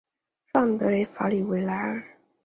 圣昂德雷法里维莱尔。